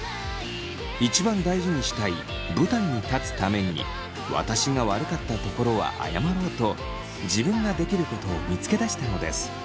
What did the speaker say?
一番大事にしたい舞台に立つために私が悪かったところは謝ろうと自分ができることを見つけ出したのです。